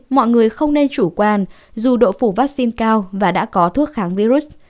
mọi người không nên chủ quan dù độ phủ vaccine cao và đã có thuốc kháng virus